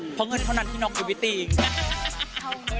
เพราะเงินเท่านั้นที่นอกอยู่วิตีง